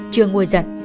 chưa nguồn giận